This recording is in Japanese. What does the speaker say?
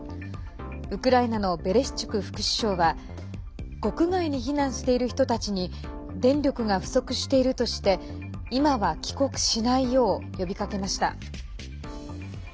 ウクライナのベレシチュク副首相は国外に避難している人たちに電力が不足しているとして今は帰国しないよう呼びかけました。